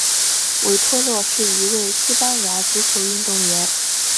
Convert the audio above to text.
维托洛是一位西班牙足球运动员。